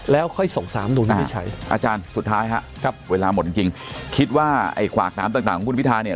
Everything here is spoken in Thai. แล้วค่อยส่งสามดูวินิจฉัยอาจารย์สุดท้ายครับเวลาหมดจริงคิดว่าไอ้ขวากน้ำต่างของคุณพิทาเนี่ย